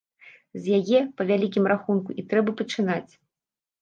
З яе, па вялікім рахунку, і трэба пачынаць.